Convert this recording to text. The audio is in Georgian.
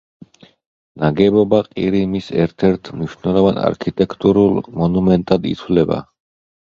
ნაგებობა ყირიმის ერთ-ერთ მნიშვნელოვან არქიტექტურულ მონუმენტად ითვლება.